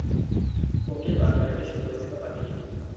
কোকিল বাংলার একটি সুপরিচিত পাখি।